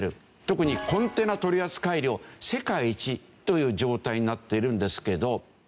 特にコンテナ取扱量世界一という状態になっているんですけど。